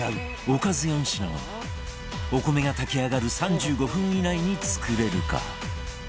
おかず４品をお米が炊き上がる３５分以内に作れるか？